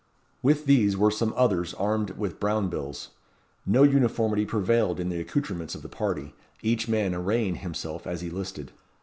With these were some others armed with brown bills. No uniformity prevailed in the accoutrements of the party, each man arraying himself as he listed.